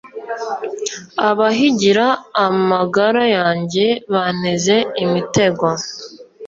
Abahigira amagara yanjye banteze imitego